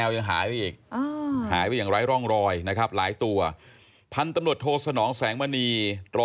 แต่หมามันจะขึ้นมาเป็นแบบนี้เหรอ